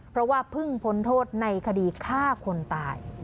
เพราะว่าเพิ่งพ้นโทษในคดีฆ่าคนตาย